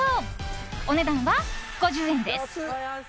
お値段は５０円です。